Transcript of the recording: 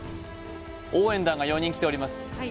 応援団が４人来ております